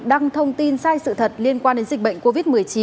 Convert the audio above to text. đăng thông tin sai sự thật liên quan đến dịch bệnh covid một mươi chín